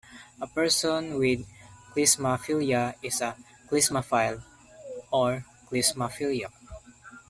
A person with klismaphilia is a "klismaphile" or "klismaphiliac".